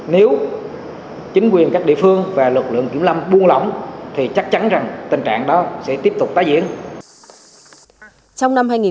nếu chính quyền các địa phương và lực lượng kiểm lâm buôn lỏng thì chắc chắn rằng tình trạng đó sẽ tiếp tục tái diễn